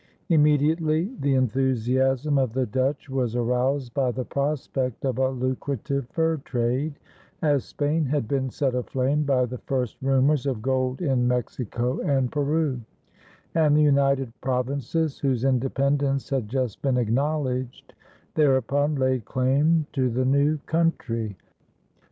Immediately the enthusiasm of the Dutch was aroused by the prospect of a lucrative fur trade, as Spain had been set aflame by the first rumors of gold in Mexico and Peru; and the United Provinces, whose independence had just been acknowledged, thereupon laid claim to the new country.